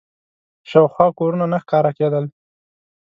شاوخوا کورونه نه ښکاره کېدل.